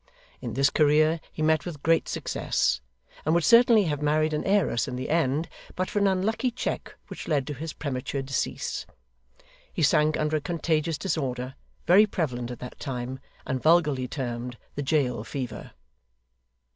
In this career he met with great success, and would certainly have married an heiress in the end, but for an unlucky check which led to his premature decease. He sank under a contagious disorder, very prevalent at that time, and vulgarly termed the jail fever.